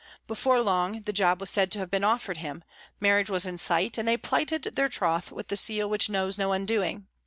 Before long the job was said to have been offered him, marriage was in sight, and they plighted their troth with the seal which knows no undoing.